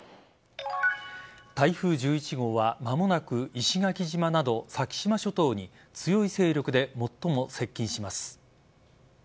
台風１１号は間もなく石垣島など先島諸島に強い勢力で最も接近します。